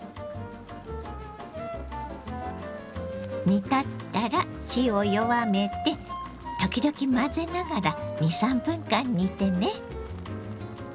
煮立ったら火を弱めて時々混ぜながら２３分間煮てね。